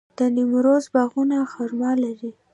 د نیمروز باغونه خرما لري.